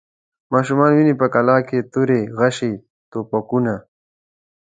ماشوم ویني په قلا کي توري، غشي، توپکونه